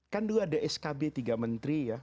kan dulu ada skb tiga menteri ya